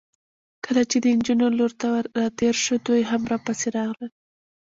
کله چې د نجونو لور ته راتېر شوو، دوی هم راپسې راغلل.